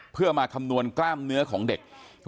เพื่อมาคำนวณกล้ามเนื้อของเด็ก